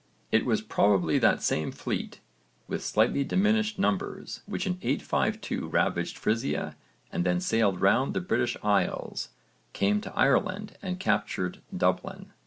It was probably that same fleet, with slightly diminished numbers, which in 852 ravaged Frisia and then sailed round the British Isles, came to Ireland, and captured Dublin.